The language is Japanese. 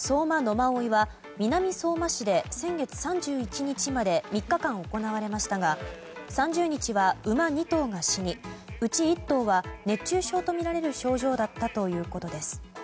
馬追は南相馬市で先月３１日まで３日間行われましたが３０日は馬２頭が死にうち１頭は熱中症とみられる症状だったということです。